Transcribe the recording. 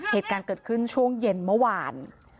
เหตุการณ์เกิดขึ้นช่วงเย็นเมื่อวาน